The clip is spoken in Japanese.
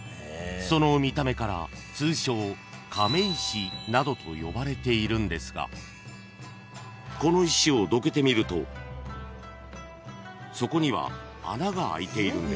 ［その見た目から通称亀石などと呼ばれているんですがこの石をどけてみるとそこには穴が開いているんです］